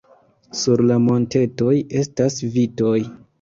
Sur la montetoj estas vitoj.